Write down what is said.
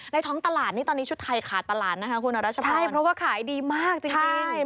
ท้องตลาดนี่ตอนนี้ชุดไทยขาดตลาดนะคะคุณรัชพรใช่เพราะว่าขายดีมากจริง